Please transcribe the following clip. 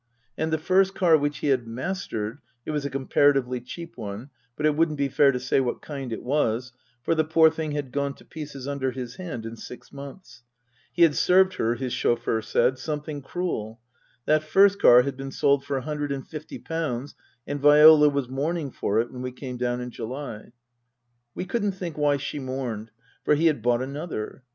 And the first car which he had mastered it was a comparatively cheap one, but it wouldn't be fair to say what kind it was, for the poor thing had gone to pieces under his hand in six months ; he had served her, his chauffeur said, something cruel that first car had been sold for a hundred and fifty pounds, and Viola was mourning for it when we came down in July. We couldn't think why she mourned, for he had bought another.